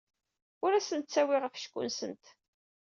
Ur asent-ttawyeɣ afecku-nsent.